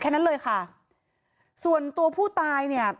แค่นั้นเลยค่ะส่วนตัวผู้ตายเนี่ย